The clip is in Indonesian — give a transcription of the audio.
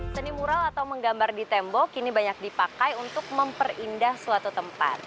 seni mural atau menggambar di tembok kini banyak dipakai untuk memperindah suatu tempat